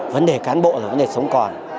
vấn đề cán bộ là vấn đề sống còn